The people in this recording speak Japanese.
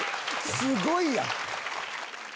すごいやん！